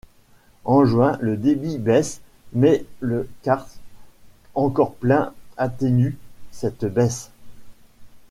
En juin, le débit baisse mais le karst encore plein atténue cette baisse.